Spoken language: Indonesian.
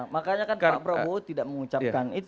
makanya kan pak prabowo tidak mengucapkan itu secara jelas